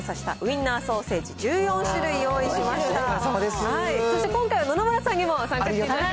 こちらに今回調査したウインナーソーセージ１４種類用意しました。